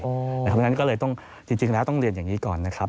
เพราะฉะนั้นก็เลยต้องจริงแล้วต้องเรียนอย่างนี้ก่อนนะครับ